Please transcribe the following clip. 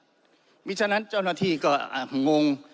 เพราะฉะนั้นเจ้าหน้าที่ก็งง